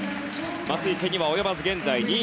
松生には及ばず現在２位。